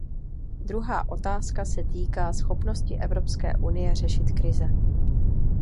Druhá otázka se týká schopnosti Evropské unie řešit krize.